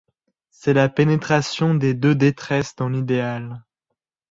C’était la pénétration de deux détresses dans l’idéal